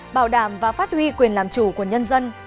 bảo đảm và phát huy quyền làm chủ của nhân dân